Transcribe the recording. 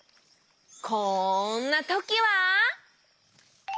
こんなときは。